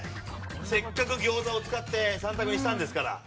せっかく餃子を使って３択にしたんですから。